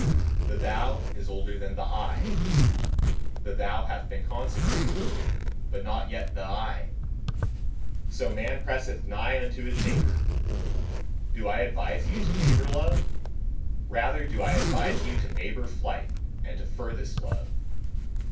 The THOU is older than the I; the THOU hath been consecrated, but not yet the I: so man presseth nigh unto his neighbour. Do I advise you to neighbour love? Rather do I advise you to neighbour flight and to furthest love!